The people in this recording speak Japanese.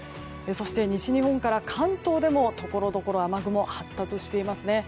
そして、西日本から関東でもところどころ雨雲が発達していますね。